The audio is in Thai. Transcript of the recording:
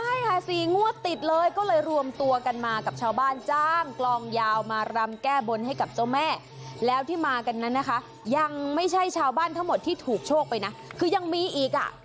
ใช่ค่ะ๔งวดติดเลยก็เลยรวมตัวกันมากับชาวบ้านจ้างกลองยาวมารำแก้บนให้กับเจ้าแม่แล้วที่มากันนั้นนะคะยังไม่ใช่ชาวบ้านทั้งหมดที่ถูกโชคไปนะคือยังมีอีกอ่ะ